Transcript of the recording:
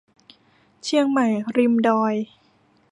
เชียงใหม่ริมดอย